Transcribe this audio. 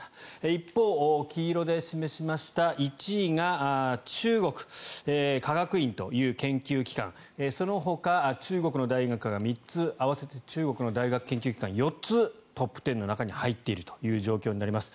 一方、黄色で示しました１位が中国科学院という研究機関そのほか中国の大学が３つ合わせて中国の大学・研究機関が４つ、トップ１０の中に入っている状況になっています。